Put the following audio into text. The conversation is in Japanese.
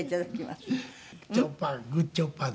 グッチョッパグッチョッパで。